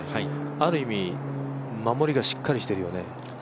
ある意味、守りがしっかりしてるよね。